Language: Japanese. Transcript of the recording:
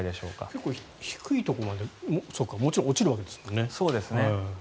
結構、低いところまでもちろん落ちるわけですもんね。